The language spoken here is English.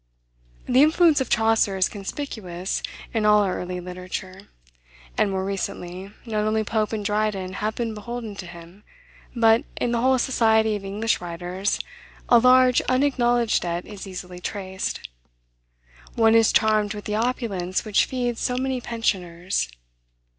The influence of Chaucer is conspicuous in all our early literature; and, more recently, not only Pope and Dryden have been beholden to him, but, in the whole society of English writers, a large unacknowledged debt is easily traced. One is charmed with the opulence which feeds so many pensioners.